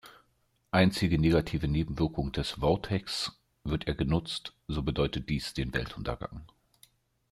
Einzige negative Nebenwirkung des Vortex: Wird er genutzt, so bedeutet dies den Weltuntergang.